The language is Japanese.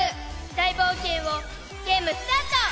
大冒険をゲームスタート！